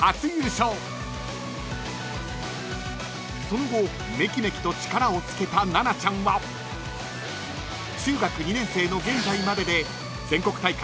［その後めきめきと力をつけたななちゃんは中学２年生の現在までで］